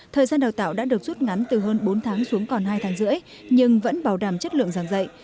thời gian đào tạo đã được rút ngắn từ hơn bốn tháng xuống còn hai tháng rưỡi nhưng vẫn bảo đảm chất lượng giảng dạy